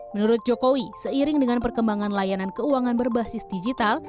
menurut jokowi seiring dengan perkembangan layanan keuangan berbasis digital